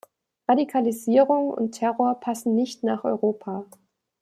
Radikalisierung und Terror passen nicht nach Europa.